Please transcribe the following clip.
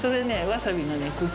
わさびの茎？